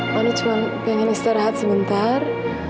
mano cuma pengen istirahat sebentar